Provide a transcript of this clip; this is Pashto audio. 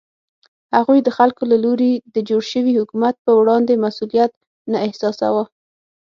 هغوی د خلکو له لوري د جوړ شوي حکومت په وړاندې مسوولیت نه احساساوه.